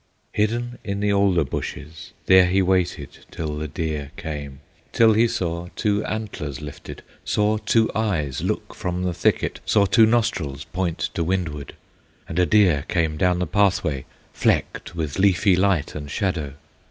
Hidden in the alder bushes, There he waited till the deer came, Till he saw two antlers lifted, Saw two eyes look from the thicket, Saw two nostrils point to windward, And a deer came down the pathway, Flecked with leafy light and shadow.